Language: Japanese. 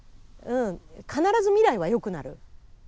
必ず未来はよくなる。